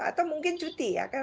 atau mungkin cuti ya